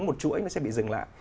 một chuỗi nó sẽ bị dừng lại